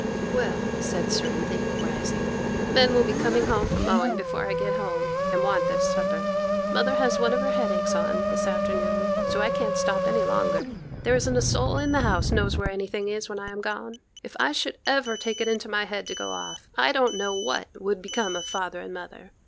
'Well,' said Cerinthy, rising, 'the men will be coming home from mowing before I get home, and want their supper. Mother has one of her headaches on this afternoon, so I can't stop any longer: there isn't a soul in the house knows where anything is when I am gone. If I should ever take it into my head to go off, I don't know what would become of father and mother.